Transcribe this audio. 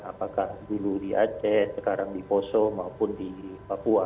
apakah dulu di aceh sekarang di poso maupun di papua